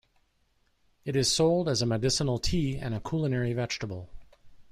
It is sold as a medicinal tea, and a culinary vegetable.